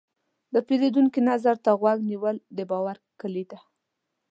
د پیرودونکي نظر ته غوږ نیول، د باور کلي ده.